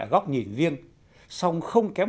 ở góc nhìn riêng song không kém